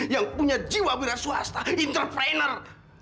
yang punya jiwa wira swasta entrepreneur